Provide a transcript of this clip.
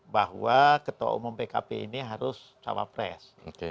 bahwa ketua umum pkp ini harus cawa pres